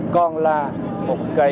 con là một cây